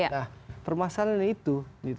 nah permasalahan itu